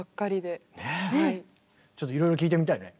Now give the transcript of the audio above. ちょっといろいろ聞いてみたいね。